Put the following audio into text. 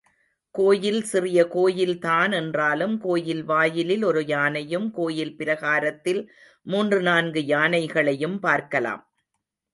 கோயில் சிறிய கோயில்தான் என்றாலும், கோயில் வாயிலில் ஒரு யானையும், கோயில் பிராகாரத்தில் மூன்று நான்கு யானைகளையும் பார்க்கலாம்.